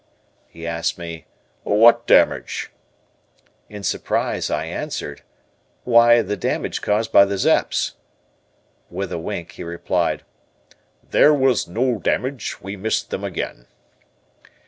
He asked me, "What damage?" In surprise, I answered, "Why, the damage caused by the Zeps." With a wink, he replied: "There was no damage, we missed them again."